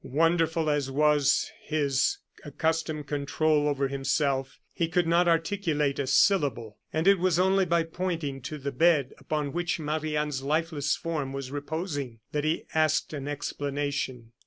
Wonderful as was his accustomed control over himself, he could not articulate a syllable; and it was only by pointing to the bed upon which Marie Anne's lifeless form was reposing, that he asked an explanation.